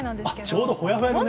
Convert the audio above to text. ちょうどほやほやでね。